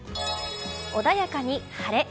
穏やかに晴れ。